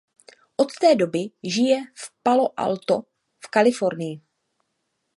Od té doby žije v Palo Alto v Kalifornii.